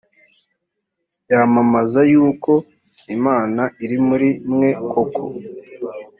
yamamaza yuko imana iri muri mwe koko